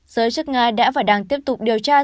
giới chức nga đã và đang tiếp tục điều tra